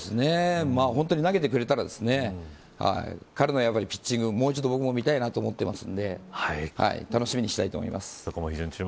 本当に投げてくれたら彼のピッチングをもう一度僕も見たいと思っているので楽しみにしたいと思います。